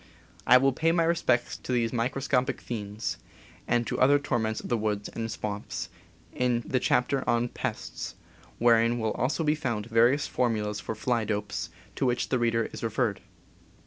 I will pay my respects to these microscopic fiends, and to other torments of the woods and swamps, in the chap ter on Pests, wherein will also be found various for mulas for fly dopes, to which the reader is referred.